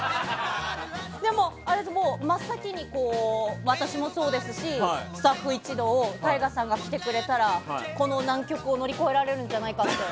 でも、真っ先に私もそうですしスタッフ一同ＴＡＩＧＡさんが来てくれたらこの難局を乗り越えられるんじゃないかと。